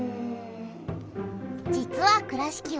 実は倉敷はね。